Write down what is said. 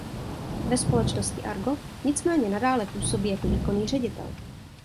Ve společnosti Argo nicméně nadále působí jako výkonný ředitel.